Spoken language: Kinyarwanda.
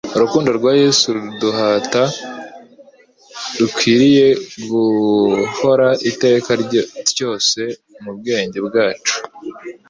Urukundo rwa Yesu ruduhata rukwiriye guhora iteka tyose mu bwenge bwacu.